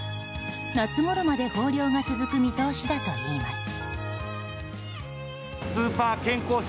夏ごろまで豊漁が続く見通しだといいます。